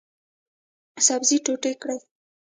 سبزي ټوټې کړئ